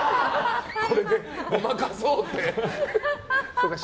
これでごまかそうって。